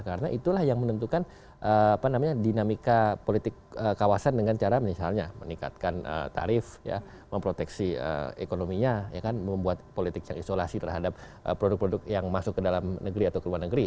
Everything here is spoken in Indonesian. karena itulah yang menentukan dinamika politik kawasan dengan cara misalnya meningkatkan tarif memproteksi ekonominya membuat politik yang isolasi terhadap produk produk yang masuk ke dalam negeri atau ke luar negeri